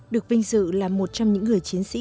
được vinh dự là một trong những người chiến sĩ